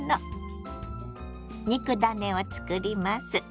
肉ダネを作ります。